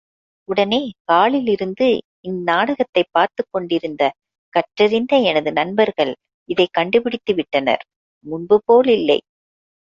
உடனே ஹாலிலிருந்து இந் நாடகத்தைப் பார்த்துக் கொண்டிருந்த கற்றறிந்த எனது நண்பர்கள் இதைக் கண்டுபிடித்து விட்டனர் முன்புபோலில்லை!